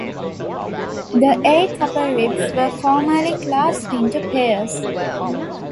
The eight upper ribs were formerly classed into pairs.